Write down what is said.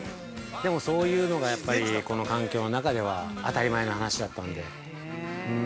でも、そういうのがやっぱりこの環境の中では、当たり前の話だっだんで。